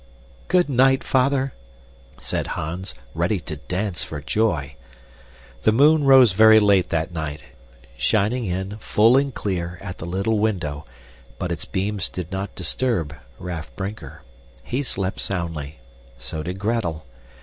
"Good night, Father!" said Hans, ready to dance for joy. The moon rose very late that night, shining in, full and clear, at the little window, but its beams did not disturb Raff Brinker. He slept soundly; so did Gretel.